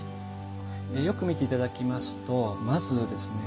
よく見て頂きますとまずですね